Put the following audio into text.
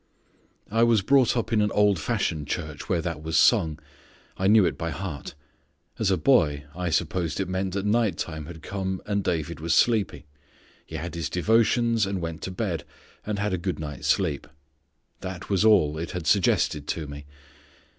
I was brought up in an old fashioned church where that was sung. I knew it by heart. As a boy I supposed it meant that night time had come, and David was sleepy; he had his devotions, and went to bed, and had a good night's sleep. That was all it had suggested to me.